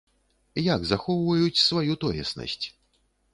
Як захоўваюць сваю тоеснасць?